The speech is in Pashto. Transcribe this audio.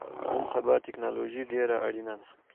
نن سبا ټکنالوژی ډیره اړینه ده